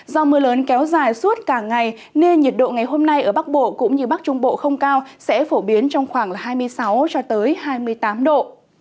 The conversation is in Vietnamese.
do mưa lớn kéo dài suốt cả ngày nên nhiệt độ ngày hôm nay ở bắc bộ cũng như bắc trung bộ không cao sẽ phổ biến trong khoảng hai mươi sáu cho tới hai mươi tám độ